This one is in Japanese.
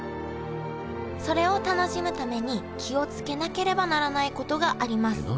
それを楽しむために気を付けなければならないことがあります